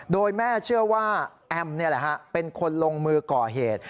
โดยแม่เชื่อว่าแอมเป็นคนลงมือก่อเหตุ